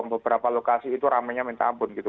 beberapa lokasi itu ramenya minta ampun gitu